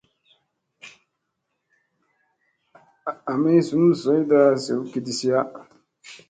Ami zum zoyda zew kidisiya.